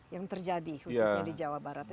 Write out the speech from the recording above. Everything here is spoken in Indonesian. yang terjadi khususnya di jawa barat